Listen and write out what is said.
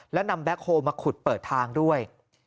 แล้วนำแบ็คโฮลมาขุดเปิดทางด้วย